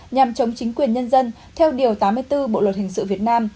nhằm chống chính quyền nhân dân theo điều tám mươi bốn bộ luật hình sự việt nam